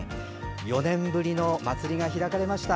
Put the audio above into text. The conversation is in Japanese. ４年ぶりの祭りが開かれました。